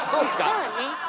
そうね。